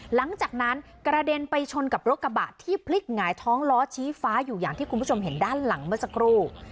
หลังจากนั้นกระเด็นไปชนกับรถกระบะที่พลิกหงายท้องล้อชี้ฟ้าอยู่อย่างที่คุณผู้ชมเห็นด้านหลังเมื่อสักครู่